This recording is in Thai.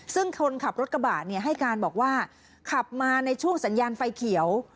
ซึ่งคนขับรถกระบะให้การบอกว่าขับมาในช่วงสัญญาณไฟเขียว